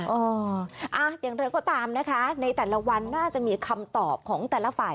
อย่างไรก็ตามนะคะในแต่ละวันน่าจะมีคำตอบของแต่ละฝ่าย